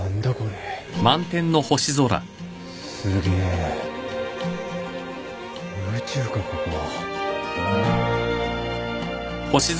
すげえ宇宙かここは。